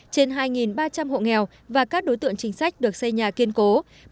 trên hai ba trăm linh hộ nghèo và các đối tượng chính sách được xây nhà kiên cố